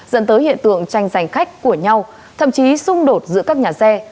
dẫn tới hiện tượng tranh giành khách của nhau thậm chí xung đột giữa các nhà xe